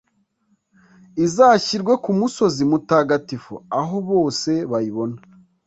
izashyirwe ku musozi mutagatifu aho bose bayibona